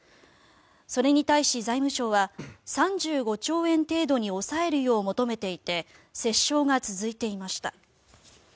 それに対し、財務省は３５兆円程度に抑えるよう求めていて折衝が続いていました。